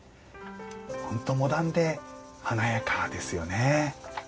本当モダンで華やかですよね。